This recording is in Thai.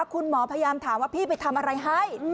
คุณหมอพยายามถามว่าพี่ไปทำอะไรให้